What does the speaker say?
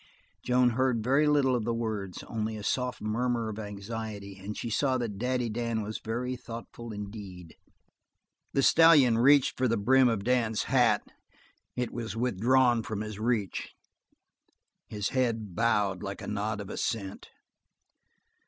Joan heard very little of the words only a soft murmur of anxiety, and she saw that Daddy Dan was very thoughtful indeed. The stallion reached for the brim of Dan's hat it was withdrawn from his reach his head bowed, like a nod of assent.